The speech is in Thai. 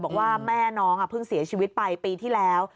บอกว่าแม่น้องเพิ่งเสียชีวิตไปปีที่แล้ว